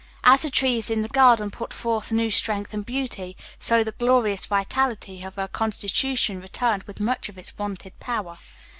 As the trees in the garden put forth new strength and beauty, so the glorious vitality of her constitution returned with much of its wonted power.